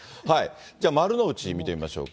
じゃ、丸の内見てみましょうか。